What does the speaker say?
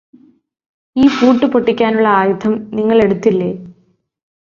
ഈ പൂട്ട് പൊട്ടിക്കാനുള്ള ആയുധം നിങ്ങള് എടുത്തില്ലേ